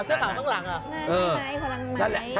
เสื้อขาวตรงหลังหรอ